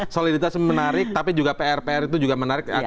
soliditas menarik tapi juga pr pr itu juga menarik